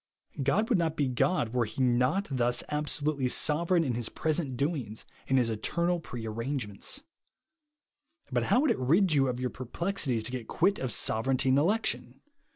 God would not be God were he not thus absolutely sovereign in his present doings and his eternrd pre arrang^jments. But how would it rid you of your per plexities to get quit of sovereignty and election?